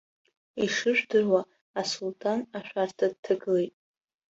Ишыжәдыруа, асулҭан ашәарҭа дҭагылеит.